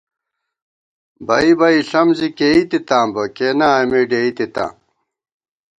بئ بئ ݪم زِی کېئی تِتاں بہ، کېنا اېمےڈېئی تِتاں